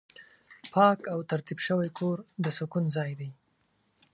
پاک او ترتیب شوی کور د سکون ځای دی.